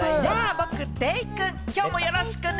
僕、デイくん、今日もよろしくね。